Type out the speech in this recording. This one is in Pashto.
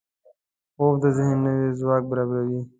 خوب د ذهن نوي ځواک برابروي